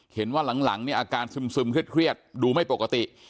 เห็นว่าหลังเนี่ยอาการซึมเครียดดูไม่ปกติ